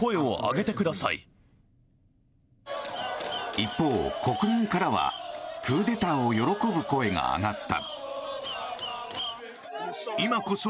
一方、国民からはクーデターを喜ぶ声が上がった。